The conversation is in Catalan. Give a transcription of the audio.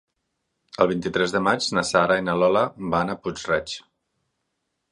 El vint-i-tres de maig na Sara i na Lola van a Puig-reig.